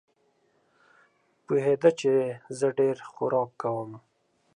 پوهېده چې زه ډېر خوراک کوم.